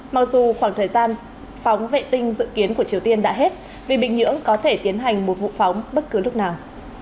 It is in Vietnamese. mặc dù khoảng thời gian phóng vệ tinh dự kiến của triều tiên đã hết vì bình nhưỡng có thể tiến hành một vụ phóng bất cứ lúc nào